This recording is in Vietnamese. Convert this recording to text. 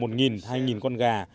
một nghìn hai nghìn con gà